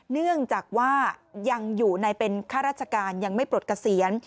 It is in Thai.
เนื่องจากว่ายังอยู่ในเป็นข้าราชการยังไม่ปลดเกษียณ